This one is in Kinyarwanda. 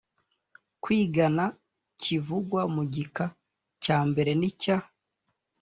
kwigana kivugwa mu gika cya mbere n icya